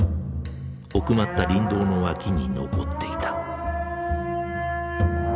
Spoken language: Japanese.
奥まった林道の脇に残っていた。